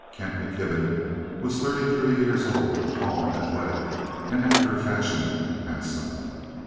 Kent McKibben was thirty three years old, tall, athletic, and, after a fashion, handsome.